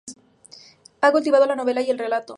Ha cultivado la novela y el relato.